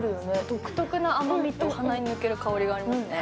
独特な甘みと鼻に抜ける香りがありますよね。